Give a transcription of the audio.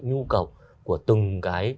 nhu cầu của từng cái